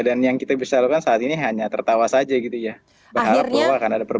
dan yang kita bisa lakukan saat ini hanya tertawa saja gitu ya